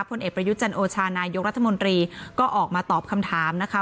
ผลเอกประยุทธ์จันโอชานายกรัฐมนตรีก็ออกมาตอบคำถามนะคะ